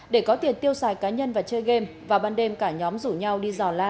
để có tiền tiêu xài cá nhân và chơi game vào ban đêm cả nhóm rủ nhau đi dò la